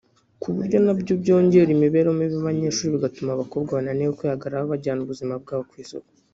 ku buryo na byo byongera imibereho mibi y’abanyeshuri bigatuma abakobwa bananiwe kwihagararaho bajyana ubuzima bwabo ku isoko